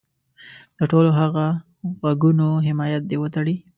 د ټولو هغه غږونو حمایت دې وتړي.